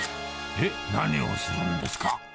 えっ、何をするんですか？